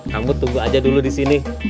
kamu tunggu aja dulu disini